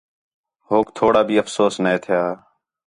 ہوک تھوڑا بھی افسوس نے تھیا